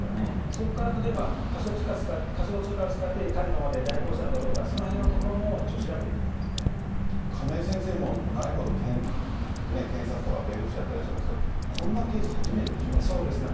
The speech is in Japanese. そこから例えば、仮想通貨を使ってカジノまで代行したのかどうか、その辺のところ亀井先生も長いこと、検察とか弁護士やってらっしゃいますけど、こんなケース初めてでそうですね。